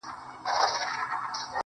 • په ځان وهلو باندې خپل غزل ته رنگ ورکوي.